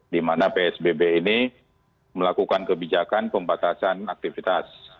di mana psbb ini melakukan kebijakan pembatasan aktivitas